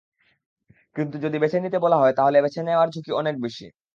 কিন্তু যদি বেছে নিতে বলা হয়, তাহলে বেছে নেওয়ার ঝুঁকি অনেক বেশি।